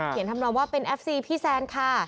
เขียนทำรวมว่าเป็นแอฟซีพี่แซนค่ะ